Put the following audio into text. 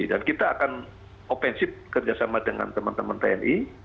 dan kita akan offensive kerjasama dengan teman teman tni